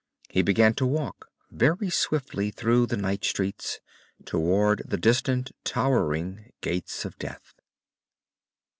He began to walk very swiftly through the night streets, toward the distant, towering Gates of Death.